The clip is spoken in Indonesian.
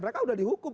mereka sudah dihukum